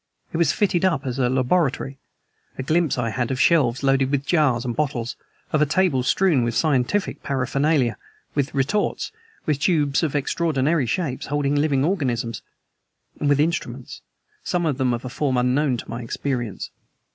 It was fitted up as a laboratory. A glimpse I had of shelves loaded with jars and bottles, of a table strewn with scientific paraphernalia, with retorts, with tubes of extraordinary shapes, holding living organisms, and with instruments some of them of a form unknown to my experience.